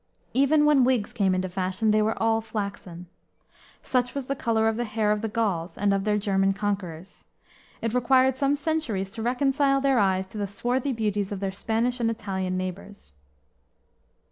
Even when wigs came into fashion they were all flaxen. Such was the color of the hair of the Gauls and of their German conquerors. It required some centuries to reconcile their eyes to the swarthy beauties of their Spanish and Italian neighbors.